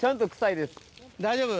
大丈夫？